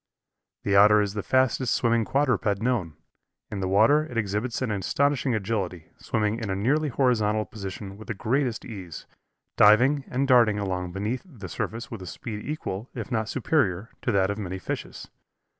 The Otter is the fastest swimming quadruped known. In the water it exhibits an astonishing agility, swimming in a nearly horizontal position with the greatest ease, diving and darting along beneath the surface with a speed equal, if not superior, to that of many fishes.